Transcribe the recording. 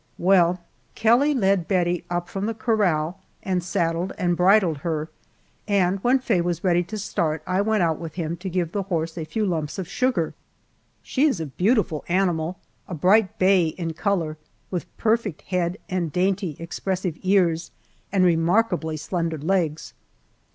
Well, Kelly led Bettie up from the corral and saddled and bridled her, and when Faye was ready to start I went out with him to give the horse a few lumps of sugar. She is a beautiful animal a bright bay in color with perfect head and dainty, expressive ears, and remarkably slender legs.